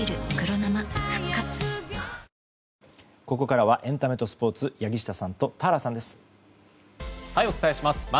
ここからはエンタメとスポーツ柳下さんと田原さんです。